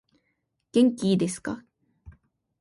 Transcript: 元気いですか